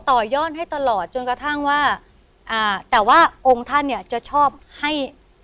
ต่อยอดให้ตลอดจนกระทั่งว่าอ่าแต่ว่าองค์ท่านเนี่ยจะชอบให้